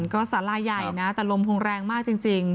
ก็สาลาใหญ่นะแต่ลมคงแรงมากจริง